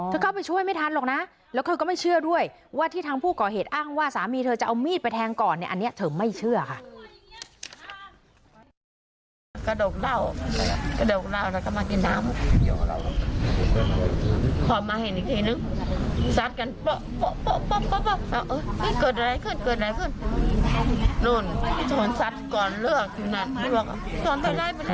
เข้าไปช่วยไม่ทันหรอกนะแล้วเธอก็ไม่เชื่อด้วยว่าที่ทางผู้ก่อเหตุอ้างว่าสามีเธอจะเอามีดไปแทงก่อนเนี่ยอันนี้เธอไม่เชื่อค่ะ